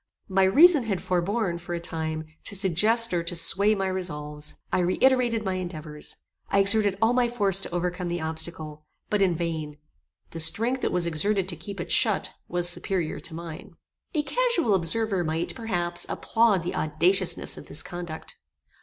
My reason had forborne, for a time, to suggest or to sway my resolves. I reiterated my endeavours. I exerted all my force to overcome the obstacle, but in vain. The strength that was exerted to keep it shut, was superior to mine. A casual observer might, perhaps, applaud the audaciousness of this conduct.